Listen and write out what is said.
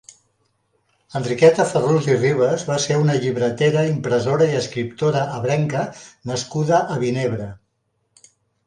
Enriqueta Ferrús i Ribes va ser una llibretera, impressora i escriptora ebrenca nascuda a Vinebre.